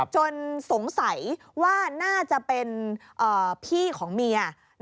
สงสัยว่าน่าจะเป็นพี่ของเมีย